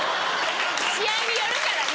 試合によるからね。